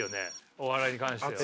お笑いに関しては。